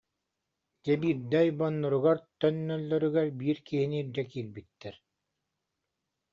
Дьэ биирдэ ойбонноругар төннөллөрүгэр биир киһини илдьэ киирбиттэр